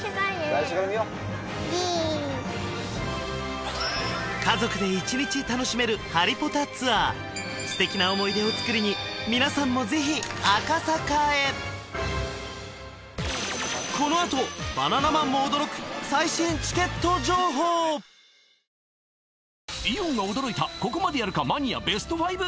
最初から見ようイエーイ家族で１日楽しめるハリポタツアーステキな思い出を作りに皆さんもぜひ赤坂へこのあとバナナマンも驚く最新チケット情報血圧はちゃんとチェック！